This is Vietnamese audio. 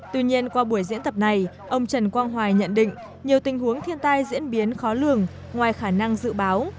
tuy nhiên qua buổi diễn tập này ông trần quang hoài nhận định nhiều tình huống thiên tai diễn biến khó lường ngoài khả năng dự báo